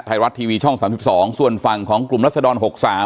ไทยรัฐทีวีช่อง๓๒ส่วนฝั่งของกลุ่มรัศดร๖๓